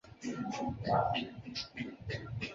维也纳爱乐的总部设于维也纳金色大厅。